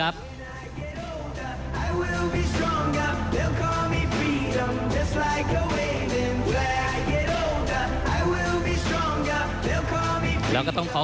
ท่านแรกครับจันทรุ่ม